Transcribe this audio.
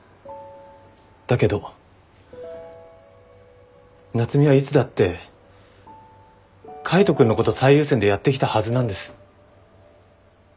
だけど夏海はいつだって海斗君のこと最優先でやってきたはずなんです。